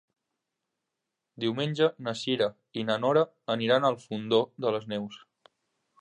Diumenge na Cira i na Nora aniran al Fondó de les Neus.